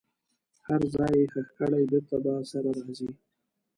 هر ځای یې ښخ کړئ بیرته به سره راځي.